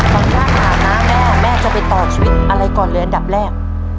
ขออนุญาตถามนะแม่แม่จะไปต่อชีวิตอะไรก่อนเลยอันดับแรก